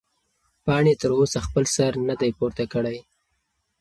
پاڼې تر اوسه خپل سر نه دی پورته کړی.